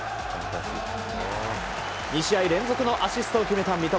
２試合連続のアシストを決めた三笘。